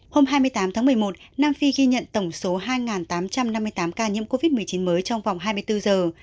hôm hai mươi tám tháng một mươi một nam phi ghi nhận tổng số hai tám trăm năm mươi tám ca nhiễm covid một mươi chín mới trong vòng hai mươi bốn giờ